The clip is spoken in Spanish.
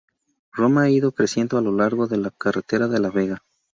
Roma ha ido creciendo a lo largo de la carretera de la vega.